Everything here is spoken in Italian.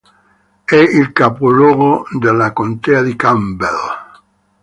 È il capoluogo della contea di Campbell.